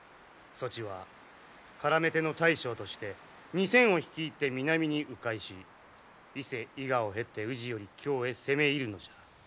そちはからめ手の大将として２，０００を率いて南に迂回し伊勢伊賀を経て宇治より京へ攻め入るのじゃ。